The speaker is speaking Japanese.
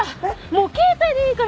もう携帯でいいから！